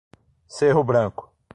Cerro Branco